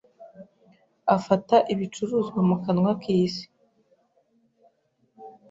Afata ibicuruzwa mu kanwa k'isi